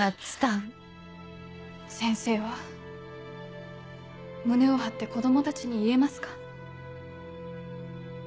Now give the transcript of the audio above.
先生は胸を張って子供たちに言えますか？